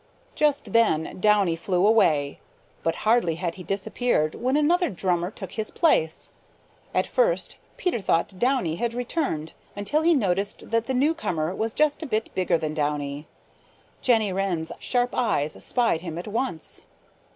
Just then Downy flew away, but hardly had he disappeared when another drummer took his place. At first Peter thought Downy had returned until he noticed that the newcomer was just a bit bigger than Downy. Jenny Wren's sharp eyes spied him at once.